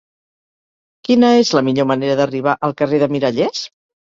Quina és la millor manera d'arribar al carrer de Mirallers?